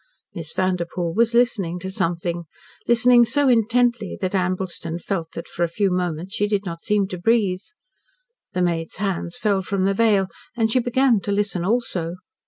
Miss Vanderpoel was listening to something, listening so intently that Ambleston felt that, for a few moments, she did not seem to breathe. The maid's hands fell from the veil, and she began to listen also.